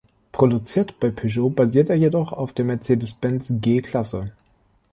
Produziert bei Peugeot, basiert er jedoch auf der Mercedes-Benz G-Klasse.